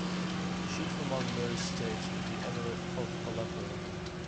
Chief among those states was the Emirate of Aleppo.